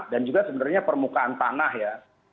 dan juga sebenarnya permukaan tanah ya